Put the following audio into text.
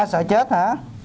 sợ chết hả